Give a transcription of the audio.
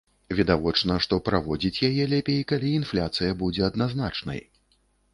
Відавочна, што праводзіць яе лепей, калі інфляцыя будзе адназначнай.